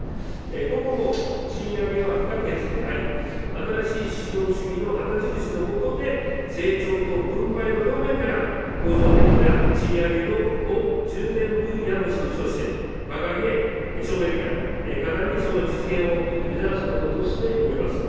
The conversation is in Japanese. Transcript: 今後も賃上げは不可欠であり、新しい資本主義の旗印の下で、成長と分配の、構造的な賃上げを重点分野の一つとして掲げ、正面から果断にその実現を目指すこととしております。